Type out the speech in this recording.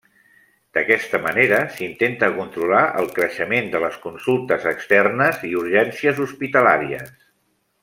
D'aquesta manera s'intenta controlar el creixement de les consultes externes i urgències hospitalàries.